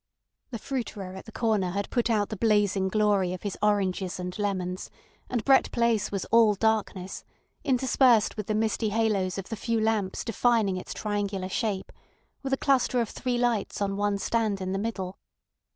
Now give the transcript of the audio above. The fruiterer at the corner had put out the blazing glory of his oranges and lemons, and Brett Place was all darkness, interspersed with the misty halos of the few lamps defining its triangular shape, with a cluster of three lights on one stand in the middle.